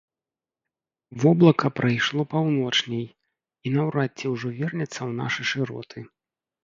Воблака прайшло паўночней, і наўрад ці ўжо вернецца ў нашы шыроты.